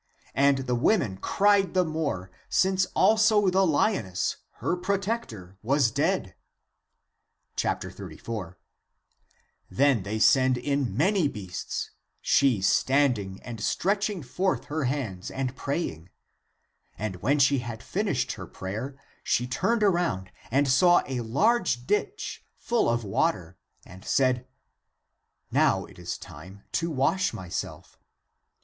And the women cried the more, since also the lioness, her protector, was dead. 34. Then they send in many beasts, she stand ing and stretching forth her hands, and praying. And when she had finished her prayer, she turned around and saw a large ditch full of water, and said, " Now it is time to wash myself."